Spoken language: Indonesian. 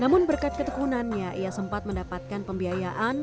namun berkat ketekunannya ia sempat mendapatkan pembiayaan